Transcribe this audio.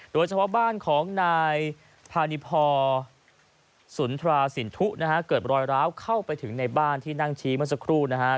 โดยเฉพาะบ้านของนายพานิพอสุนทราสินทุนะฮะเกิดรอยร้าวเข้าไปถึงในบ้านที่นั่งชี้เมื่อสักครู่นะฮะ